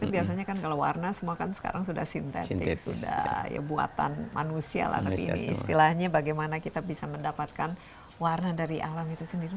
tapi biasanya kan kalau warna semua kan sekarang sudah sintetik sudah ya buatan manusia lah tapi ini istilahnya bagaimana kita bisa mendapatkan warna dari alam itu sendiri